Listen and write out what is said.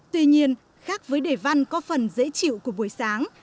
tuy nhiên khác với đề văn có phần dễ chịu của buổi sáng